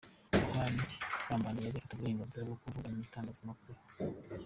Yohani Kambanda yari afite uburenganzira bwo kuvugana n’itangazamakuru?